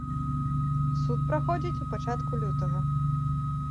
Суд праходзіць у пачатку лютага.